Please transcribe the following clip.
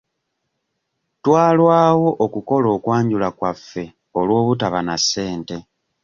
Twalwawo okukola okwanjula kwaffe olw'obutaba na ssente.